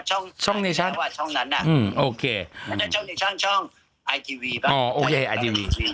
ช่องในช่างช่องนั้นช่องในช่างช่องไอทีวี